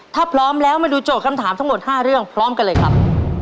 ถ้าพร้อมแล้วมาดูโจทย์คำถามทั้งหมด๕เรื่องพร้อมกันเลยครับ